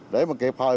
để mà kịp thời